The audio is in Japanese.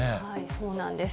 そうなんです。